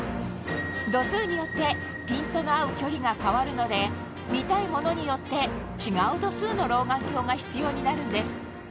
度数によってピントの合う距離が変わるので見たいものによって違う度数の老眼鏡が必要になるんです